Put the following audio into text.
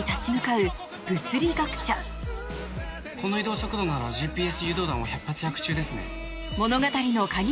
この移動速度ならＧＰＳ誘導弾は百発百中ですね。